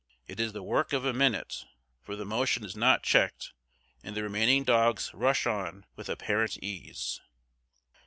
It is the work of a minute, for the motion is not checked, and the remaining dogs rush on with apparent ease.